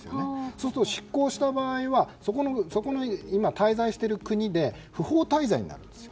そうすると失効した場合はそこの滞在している国で不法滞在になるんです。